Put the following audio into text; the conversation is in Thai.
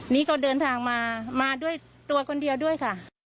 นี่ก็เดินทางมามาด้วยตัวคนเดียวด้วยค่ะ